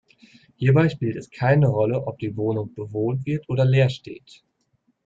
Hierbei spielt es keine Rolle, ob die Wohnung bewohnt wird oder leer steht.